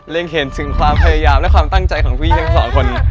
เรียนเห็นถึงความพยายามและความตั้งใจของผู้หญิงของสองคน